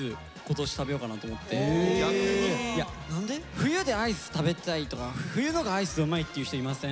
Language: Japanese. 冬でアイス食べたいとか冬のがアイスうまいって言う人いません？